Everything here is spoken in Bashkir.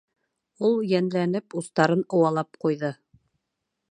Ул, йәнләнеп, устарын ыуалап ҡуйҙы.